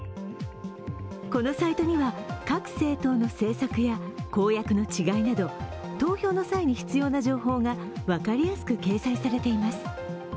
このサイトには、各政党の政策や公約の違いなど投票の際に必要な情報が分かりやすく掲載されています。